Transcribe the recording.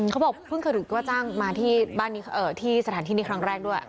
เขาบอกเพิ่งขนาดนี้ก็จ้างมาที่สถานที่นี่ครั้งแรกด้วย